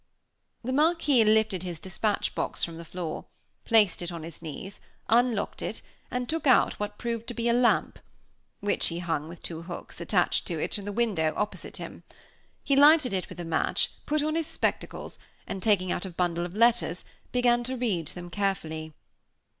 The Marquis lifted his dispatch box from the floor, placed it on his knees, unlocked it, and took out what proved to be a lamp, which he hung with two hooks, attached to it, to the window opposite to him. He lighted it with a match, put on his spectacles, and taking out a bundle of letters began to read them carefully.